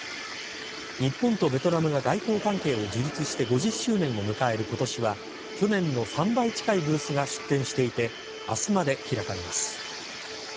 日本とベトナムが外交関係を樹立して５０周年を迎える今年は去年の３倍近いブースが出店していて明日まで開かれます。